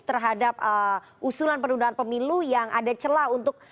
terhadap usulan penundaan pemilu yang ada celah untuk